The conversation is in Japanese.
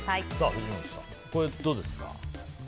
藤本さん、これどうですか？